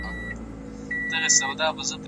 هغه د هېواد ګټې تر هر څه پورته وبللې.